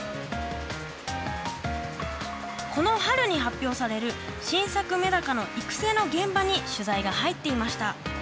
この春に発表される新作メダカの育成の現場に取材が入っていました。